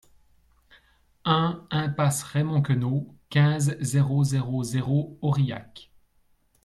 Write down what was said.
un impasse Raymond Queneau, quinze, zéro zéro zéro, Aurillac